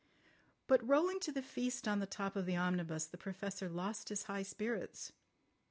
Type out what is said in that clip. But rolling to the feast on the top of the omnibus the Professor lost his high spirits.